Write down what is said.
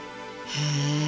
へえ。